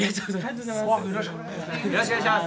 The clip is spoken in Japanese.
よろしくお願いします。